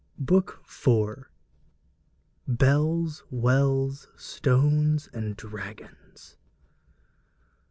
BOOK IV. BELLS, WELLS, STONES, AND DRAGONS.